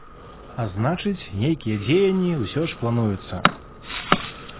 А значыць, нейкія дзеянні ўсё ж плануюцца.